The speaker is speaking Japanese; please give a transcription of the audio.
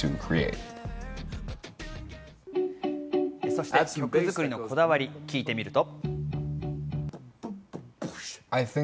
そして、曲作りのこだわりを聞いてみると。